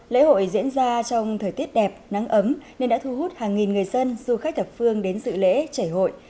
lễ hội diễn ra trong thời tiết đẹp nắng ấm nên đã thu hút hàng nghìn người dân du khách thập phương đến dự lễ chảy hội